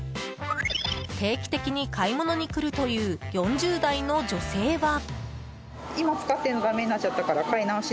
定期的に買い物に来るという４０代の女性は。